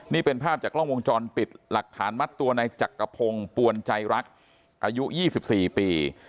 นี่เป็นภาพจากกล้องวงจรปิดหลักฐานมัดตัวในจักรพงศ์ปวนใจรักอายุ๒๔ปี